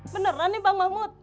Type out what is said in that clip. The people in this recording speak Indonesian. beneran nih bang mahmud